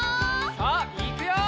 さあいくよ！